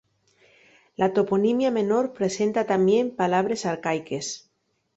La toponimia menor presenta tamién palabres arcaiques.